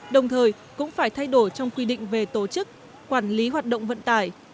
đồng thời cũng phải thay đổi trong quy định về tổ chức quản lý hoạt động vận tải